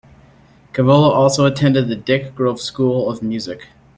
Cavallo also attended the Dick Grove School of Music.